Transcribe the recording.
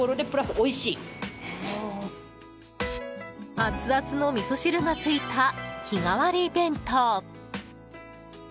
アツアツのみそ汁が付いた日替わり弁当。